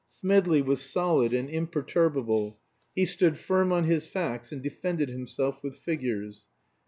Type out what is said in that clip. Smedley was solid and imperturbable; he stood firm on his facts, and defended himself with figures.